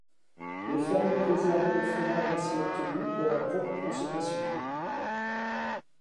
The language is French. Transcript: Les fermiers réservaient le fromage ainsi obtenu pour leur propre consommation.